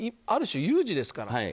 ある種有事ですから。